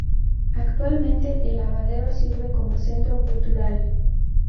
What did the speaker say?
Actualmente, el lavadero sirve como centro cultural.